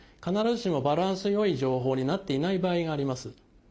必ずしもバランス良い情報になっていない場合があります。